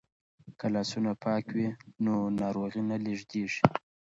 که لاسونه پاک وي نو ناروغي نه لیږدیږي.